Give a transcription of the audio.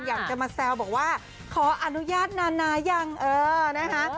อยากจะมาแซวบอกว่าขออนุญาตนายังเออนะคะ